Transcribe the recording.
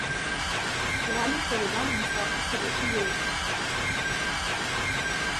Zalim kadıdan insaflı subaşı yeğdir.